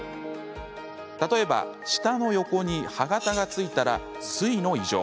例えば、舌の横に歯形がついたら水の異常。